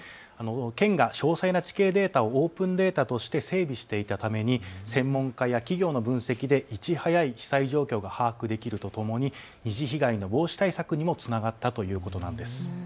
県が詳細な地形データをオープンデータとして整備していたために専門家や企業の分析でいち早い被災状況が把握できるとともに二次被害の防止対策にもつながったということなんです。